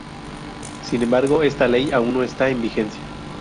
Sin embargo esta Ley aún no está en vigencia.